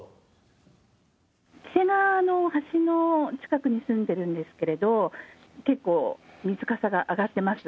黄瀬川の橋の近くに住んでるんですけれども、結構、水かさが上がってます。